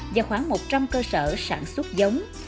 và khoảng một trăm linh cơ sở sản xuất giống